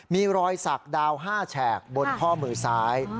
มีรอยสักดาว๕แฉกบนข้อมือซ้าย